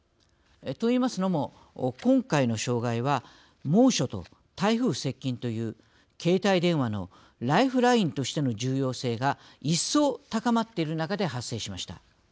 といいますのも、今回の障害は猛暑と台風接近という携帯電話のライフラインとしての重要性が一層、高まっている中で発生しました。